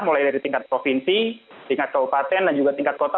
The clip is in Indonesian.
mulai dari tingkat provinsi tingkat kabupaten dan juga tingkat kota